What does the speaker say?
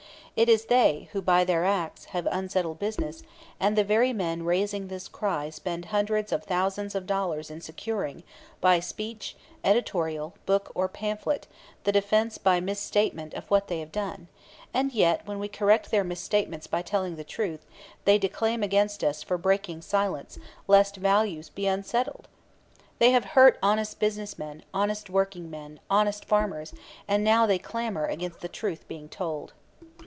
It is they who by their acts have unsettled business; and the very men raising this cry spend hundreds of thousands of dollars in securing, by speech, editorial, book or pamphlet, the defense by misstatement of what they have done; and yet when we correct their misstatements by telling the truth, they declaim against us for breaking silence, lest "values be unsettled!" They have hurt honest business men, honest working men, honest farmers; and now they clamor against the truth being told.